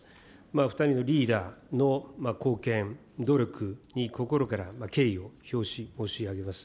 ２人のリーダーの貢献、努力に心から敬意を表し申し上げます。